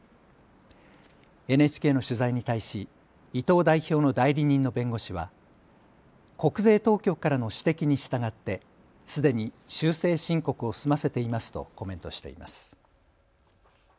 ＮＨＫの取材に対し伊藤代表の代理人の弁護士は国税当局からの指摘に従ってすでに修正申告を済ませていますとコメントしています。